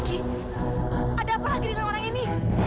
ada apa lagi dengan orang ini